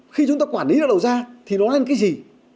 ba khi chúng ta quản lý ra đầu ra thì nó là cái gì